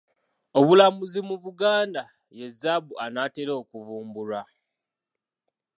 Obulambuzi mu Buganda ye zzaabu anaatera okuvumbulwa.